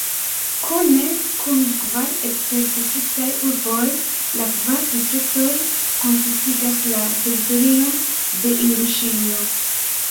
Kune kun kvar eksterdistriktaj urboj la kvar distriktoj konsistigas la teritorion de Inguŝio.